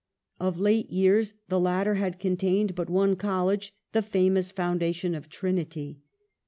Of late years the latter had contained but one college, the famous foundation of Trinity.